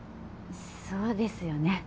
そうですよね。